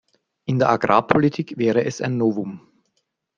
In der Agrarpolitik wäre es ein Novum.